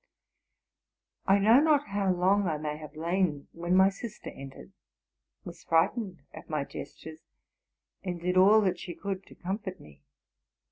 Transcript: I know not how long I may have lain, when my sister entered, was frightened at my gestures, and did all that she could to comfort me.